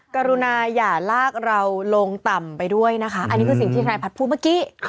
กรุณาอย่าลากเราลงต่ำไปด้วยนะคะอันนี้คือสิ่งที่ธนายพัฒน์พูดเมื่อกี้